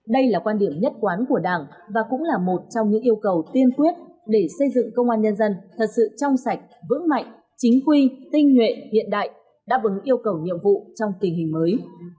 đây là quan điểm nhất quán của đảng và cũng là một trong những yêu cầu tiên quyết để xây dựng công an nhân dân thật sự trong sạch vững mạnh chính quy tinh nguyện hiện đại đáp ứng yêu cầu nhiệm vụ trong tình hình mới